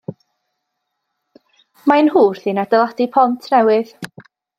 Maen nhw wrthi'n adeiladu pont newydd.